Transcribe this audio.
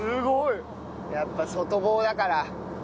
やっぱ外房だから。